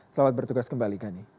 selamat bertugas kembali gani